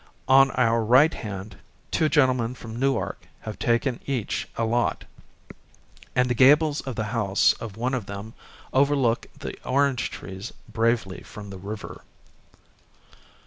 On our right hand, two gentlemen from Newark have taken each a lot ; and the gables of the house of one of them overlook the orange trees bravely from the river.